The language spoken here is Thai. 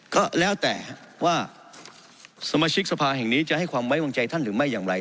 ก็แล้วแต่ว่าสมาชิกสภาแห่งนี้จะให้ความไว้วางใจท่านหรือไม่อย่างไร